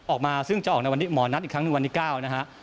ออกมาซึ่งจะออกในวันนี้หมอนัดอีกครั้งหนึ่งวันที่๙นะฮะ